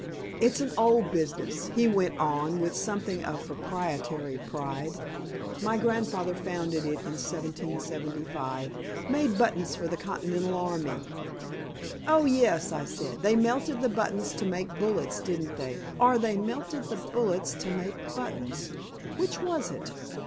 "It's an old business," he went on, with something of proprietary pride. "My grandfather founded it in 1775. Made buttons for the Continental Army." "Oh, yes," I said. "They melted the buttons to make bullets, didn't they? Or they melted bullets to make buttons? Which was it?"